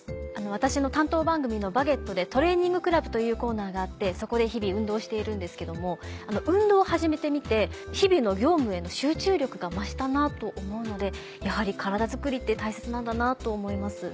私の担当番組の『バゲット』で「トレーニングクラブ」というコーナーがあってそこで日々運動しているんですけども運動を始めてみて日々の業務への集中力が増したなと思うのでやはり体づくりって大切なんだなと思います。